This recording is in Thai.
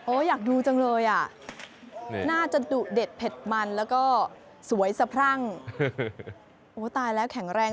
อยากดูจังเลยอ่ะน่าจะดุเด็ดเผ็ดมันแล้วก็สวยสะพรั่งโอ้ตายแล้วแข็งแรง